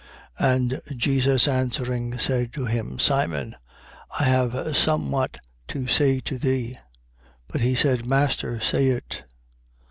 7:40. And Jesus answering, said to him: Simon, I have somewhat to say to thee. But he said: Master, say it.